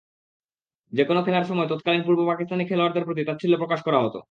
যেকোনো খেলার সময় তৎকালীন পূর্ব পাকিস্তানি খেলোয়াড়দের প্রতি তাচ্ছিল্য প্রকাশ করা হতো।